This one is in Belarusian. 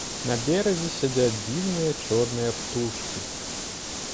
На беразе сядзяць дзіўныя чорныя птушкі.